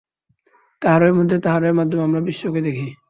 তাঁহারই মধ্যে, তাঁহারই মাধ্যমে আমরা বিশ্বকে দেখি।